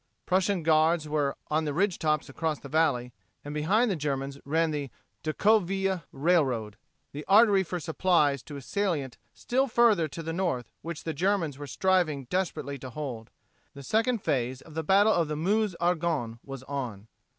Prussian Guards were on the ridge tops across the valley, and behind the Germans ran the Decauville Railroad the artery for supplies to a salient still further to the north which the Germans were striving desperately to hold. The second phase of the Battle of the Meuse Argonne was on.